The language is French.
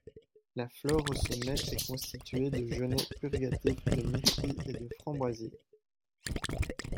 La flore au sommet est constituée de genêts purgatifs, de myrtilles, et de framboisiers.